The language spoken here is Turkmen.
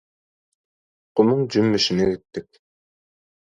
Gumuň jümmüşine gitdik.